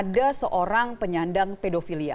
dia seorang penyandang pedofilia